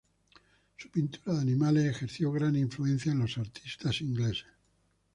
Su pintura de animales ejerció gran influencia en los artistas ingleses.